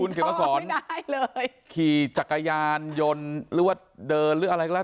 คุณเขตมันสอนขี่จักรยานยนต์หรือว่าเดินหรืออะไรก็แล้ว